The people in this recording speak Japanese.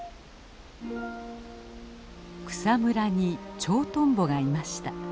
草むらにチョウトンボがいました。